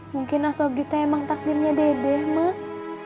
mungkin aswabdita emang takdirnya dede emang